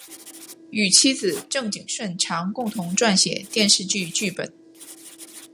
与妻子郑景顺常共同撰写电视剧剧本。